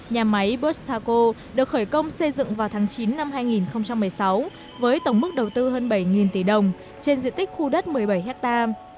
nhà máy bus taco được khởi công xây dựng vào tháng chín năm hai nghìn một mươi sáu với tổng mức đầu tư hơn bảy tỷ đồng trên diện tích khu đất một mươi bảy hectare